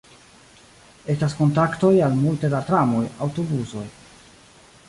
Estas kontaktoj al multe da tramoj, aŭtobusoj.